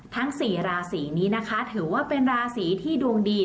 ทั้ง๔ราศีนี้นะคะถือว่าเป็นราศีที่ดวงดี